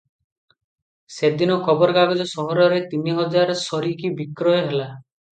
ସେଦିନ ଖବରକାଗଜ ସହରରେ ତିନିହଜାର ସରିକି ବିକ୍ରୟ ହେଲା ।